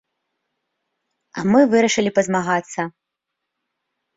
А мы вырашылі пазмагацца.